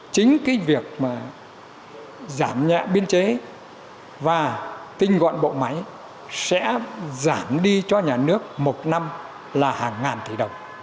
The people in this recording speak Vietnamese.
chính cái việc mà giảm nhẹ biên chế và tinh gọn bộ máy sẽ giảm đi cho nhà nước một năm là hàng ngàn tỷ đồng